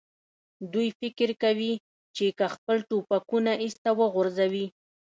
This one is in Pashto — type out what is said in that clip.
دوی فکر کوي، چې که خپل ټوپکونه ایسته وغورځوي.